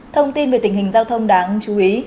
thông tin về tình hình giao thông đáng chú ý